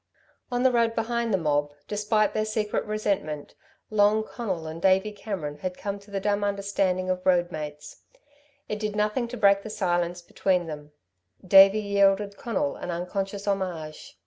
On the road behind the mob, despite their secret resentment, Long Conal and Davey Cameron had come to the dumb understanding of road mates. It did nothing to break the silence between them. Davey yielded Conal an unconscious homage.